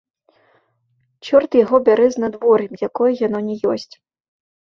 Чорт яго бяры з надвор'ем, якое яно ні ёсць!